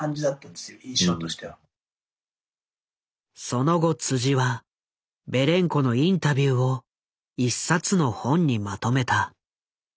その後はベレンコのインタビューを一冊の本にまとめた。